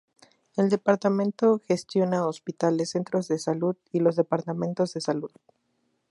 El departamento gestiona hospitales, centros de salud, y los departamentos de salud.